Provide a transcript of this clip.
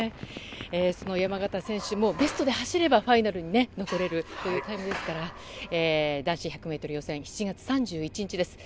その山縣選手、ベストで走ればファイナルに残れるタイムですから男子１００ｍ予選７月３１日です。